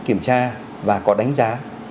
kiểm tra và có đánh giá